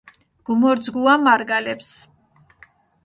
გუმორძგუა მარგალებს